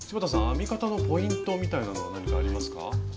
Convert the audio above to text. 編み方のポイントみたいなのは何かありますか？